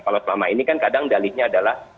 kalau selama ini kan kadang dalihnya adalah